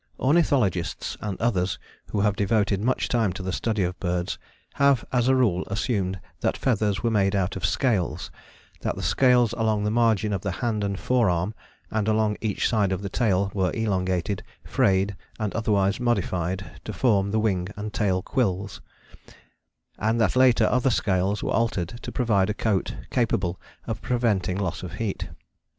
Ornithologists and others who have devoted much time to the study of birds have as a rule assumed that feathers were made out of scales, that the scales along the margin of the hand and forearm and along each side of the tail were elongated, frayed and otherwise modified to form the wing and tail quills, and that later other scales were altered to provide a coat capable of preventing loss of heat.